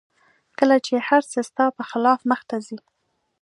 کله چې هر څه ستا په خلاف مخته ځي